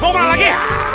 mau kemana lagi